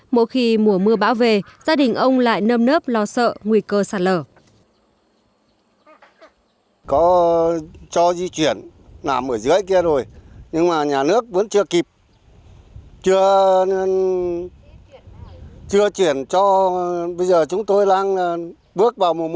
mỗi khi mùa mưa bão về gia đình ông lại nâm nớp lo sợ nguy cơ sạt lở